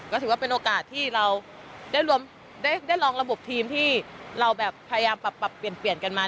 ก็ถือว่าเป็นโอกาสที่เราได้ลองระบบทีมที่เราแบบพยายามปรับเปลี่ยนกันมา